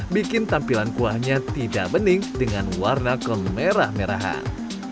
bikin tampilan kuahnya tidak bening dengan warna kemerah merahan